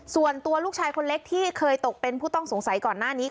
ส่วนตัวลูกชายคนเล็กที่เคยตกเป็นผู้ต้องสงสัยก่อนหน้านี้